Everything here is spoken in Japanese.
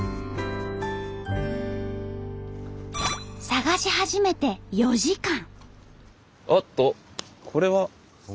探し始めて４時間。